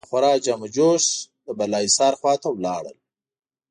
په خورا جم و جوش د بالاحصار خوا ته ولاړل.